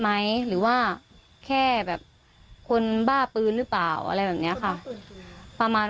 ไหมหรือว่าแค่แบบคนบ้าปืนหรือเปล่าอะไรแบบนี้ค่ะประมาณ